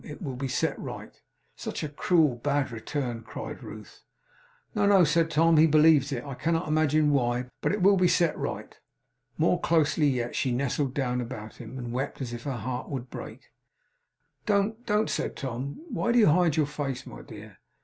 'It will be set right.' 'Such a cruel, bad return!' cried Ruth. 'No, no,' said Tom. 'He believes it. I cannot imagine why. But it will be set right.' More closely yet, she nestled down about him; and wept as if her heart would break. 'Don't. Don't,' said Tom. 'Why do you hide your face, my dear!